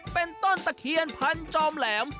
เป็นต้นตะเคียนพันจอมแหลม